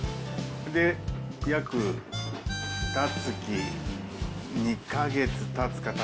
で、約ふたつき、２か月たつかた